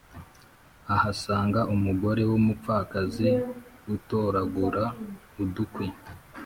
ahasanga umugore w’umupfakazi utoragura udukwi